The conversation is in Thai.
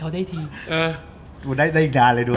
ได้อีกนานเลยดู